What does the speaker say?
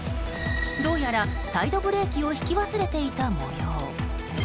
どうやら、サイドブレーキを引き忘れていた模様。